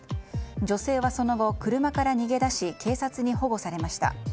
女性はその後、車から逃げ出し警察に保護されました。